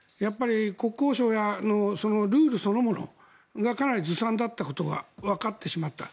国交省のルールそのものがかなりずさんだったことがわかってしまった。